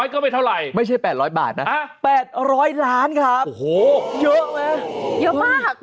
ก็ไม่เท่าไหร่ไม่ใช่๘๐๐บาทนะ๘๐๐ล้านครับโอ้โหเยอะนะเยอะมาก